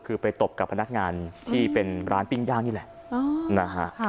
คือไปตบกับพนักงานที่เป็นร้านปิ้งย่างนี่แหละนะฮะ